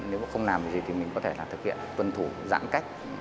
nếu không làm gì thì mình có thể thực hiện tuân thủ giãn cách